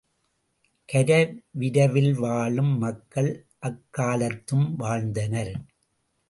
கரவிரவில் வாழும் மக்கள் அக்காலத்தும் வாழ்ந்தனர்.